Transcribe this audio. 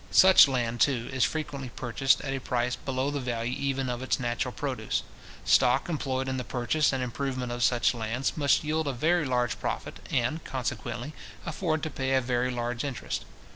Such land, too, is frequently purchased at a price below the value even of its natural produce. Stock employed in the purchase and improvement of such lands, must yield a very large profit, and, consequently, afford to pay a very large interest.